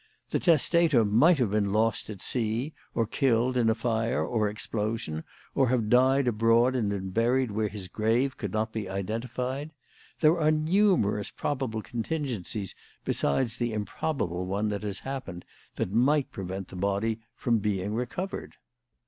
The testator might have been lost at sea, or killed in a fire or explosion, or have died abroad and been buried where his grave could not be identified. There are numerous probable contingencies besides the improbable one that has happened, that might prevent the body from being recovered.